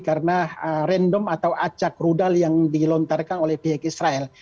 karena random atau acak rudal yang dilontarkan oleh pihak israel